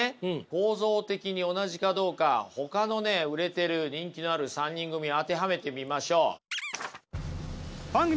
構造的に同じかどうかほかのね売れてる人気のある３人組を当てはめてみましょう。